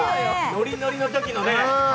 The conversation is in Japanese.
ノリノリのときのね。